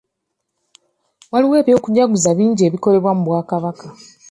Waliwo eby'okujaguza bingi ebikolebwa mu bwakabaka.